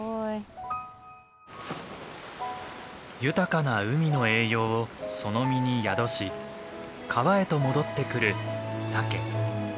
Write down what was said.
豊かな海の栄養をその身に宿し川へと戻ってくるサケ。